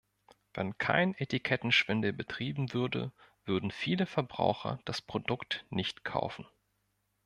Wenn kein Etikettenschwindel betrieben würde, würden viele Verbraucher das Produkt nicht kaufen.